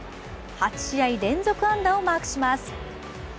８試合連続安打をマークします。